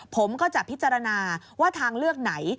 ผมก็จะพิจารณาว่าทางเลือกไหน